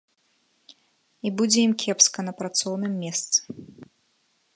І будзе ім кепска на працоўным месцы.